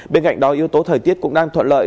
bên cạnh đó yếu tố thời tiết cũng đang thuận lợi